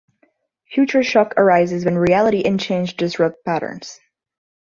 Future shock arises when reality and change disrupt patterns.